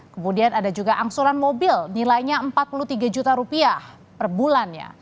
kemudian ada juga angsuran mobil nilainya empat puluh tiga juta rupiah per bulannya